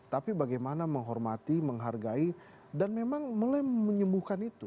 tapi bagaimana menghormati menghargai dan memang mulai menyembuhkan itu